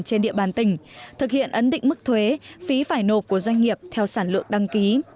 trên địa bàn tỉnh thực hiện ấn định mức thuế phí phải nộp của doanh nghiệp theo sản lượng đăng ký